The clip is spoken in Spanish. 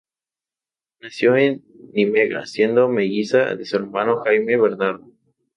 Nació en Nimega, siendo melliza de su hermano Jaime Bernardo.